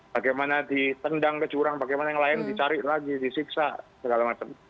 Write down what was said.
bagaimana ditendang ke jurang bagaimana yang lain dicari lagi disiksa segala macam